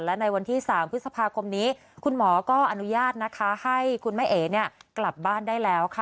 และในวันที่๓พฤษภาคมนี้คุณหมอก็อนุญาตนะคะให้คุณแม่เอ๋เนี่ยกลับบ้านได้แล้วค่ะ